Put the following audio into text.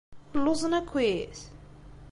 Lluẓen akkit?